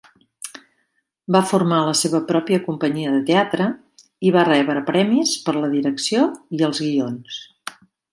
Va formar la seva pròpia companyia de teatre i va rebre premis per la direcció i els guions.